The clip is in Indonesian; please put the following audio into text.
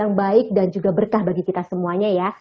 yang baik dan juga berkah bagi kita semuanya ya